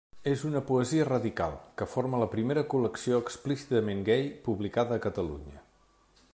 És una poesia radical, que forma la primera col·lecció explícitament gai publicada a Catalunya.